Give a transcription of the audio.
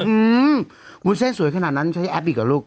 อืมวุ้นเส้นสวยขนาดนั้นใช้แอปอีกเหรอลูก